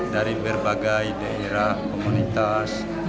dari berbagai daerah komunitas